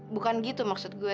bukan gitu maksud gue